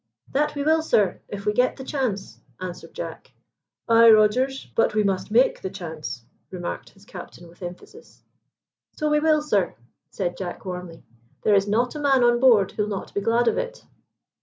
"That we will, sir, if we get the chance," answered Jack. "Ay, Rogers, but we must make the chance," remarked his captain with emphasis. "So we will, sir," said Jack warmly. "There is not a man on board who'll not be glad of it."